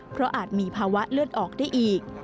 เพราะอาจมีภาวะเลือดออกได้อีก